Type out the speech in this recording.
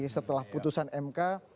setelah putusan mk